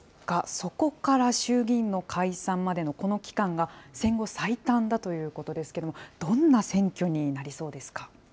そこから衆議院解散までのこの期間が戦後最短だということですけれども、どんな選挙になりそうですか。